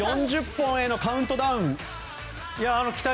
４０本へのカウントダウン。